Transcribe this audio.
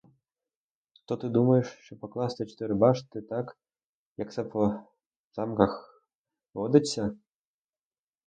То ти думаєш, щоб покласти чотири башти так, як це по замках водиться?